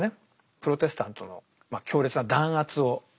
プロテスタントの強烈な弾圧をした人です。